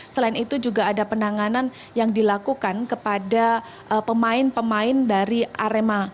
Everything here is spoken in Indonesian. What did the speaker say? selain itu juga ada penanganan yang dilakukan kepada pemain pemain dari arema